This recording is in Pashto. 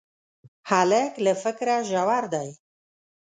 هلک له فکره ژور دی.